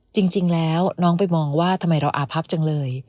จริงแล้วน้องไปมองว่าทำไมเราอาพับจังเลย